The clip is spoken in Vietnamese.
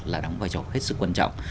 là đóng vai trò hết sức quan trọng